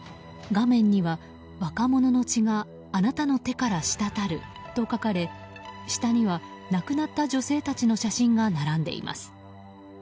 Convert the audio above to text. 画面には、若者の血があなたの手から滴ると書かれ下には、亡くなった女性たちの写真が並んでいます。